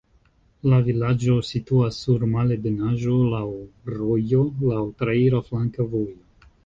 La vilaĝo situas sur malebenaĵo, laŭ rojo, laŭ traira flanka vojo.